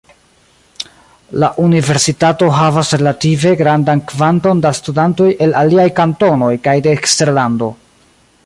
La universitato havas relative grandan kvanton da studantoj el aliaj kantonoj kaj de eksterlando.